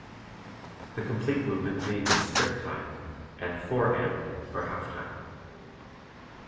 The complete movement being in strict time and "4 and" for half time.